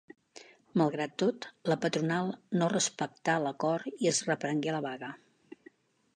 Malgrat tot, la patronal no respectà l'acord i es reprengué la vaga.